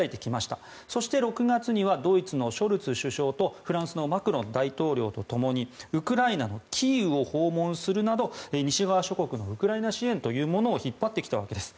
そして６月にはドイツのショルツ首相とフランスのマクロン大統領と共にウクライナのキーウを訪問するなど西側諸国のウクライナ支援を引っ張ってきたわけです。